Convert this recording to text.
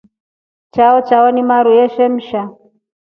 Chao chamo ni maru ya shemsa.